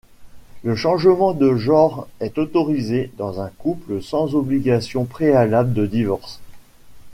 Le changement de genre est autorisé dans un couple sans obligation préalable de divorce.